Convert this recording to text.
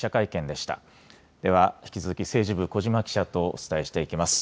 では、引き続き政治部、小嶋記者とお伝えしていきます。